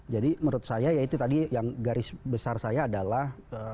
jadi menurut saya ya itu tadi yang garis besar saya adalah